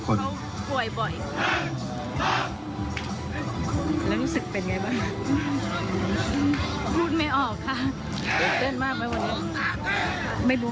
ขอบคุณครับ